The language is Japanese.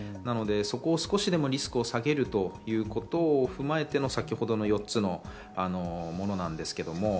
少しでもリスクを下げるということを踏まえての先ほどの４つのものなんですけれども。